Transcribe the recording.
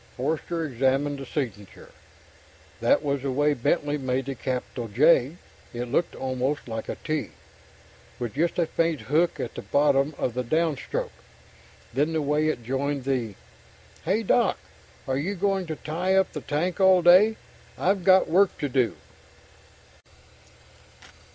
Forster examined the signature. That was the way Bentley made the capital J it looked almost like a T, with just a faint hook on the bottom of the down stroke. Then the way it joined the "Hey, Doc are you going to tie up the tank all day? I've got work to do."